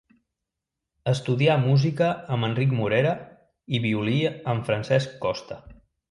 Estudià música amb Enric Morera i violí amb Francesc Costa.